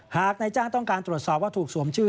หากนายจ้างต้องการตรวจสอบว่าถูกสวมชื่อ